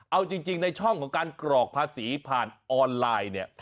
เอาจริงในช่องของการกรอกภาษีผ่านออนไลน์เนี่ย